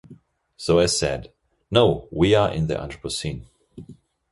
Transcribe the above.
So I said: 'No, we are in the Anthropocene.